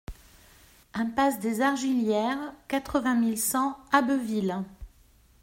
Impasse des Argillières, quatre-vingt mille cent Abbeville